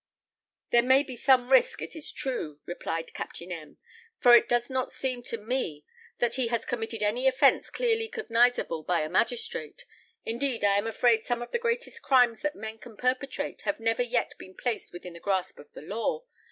"There may be some risk, it is true," replied Captain M , "for it does not seem to me that he has committed any offence clearly cognizable by a magistrate. Indeed, I am afraid some of the greatest crimes that men can perpetrate have never yet been placed within the grasp of the law.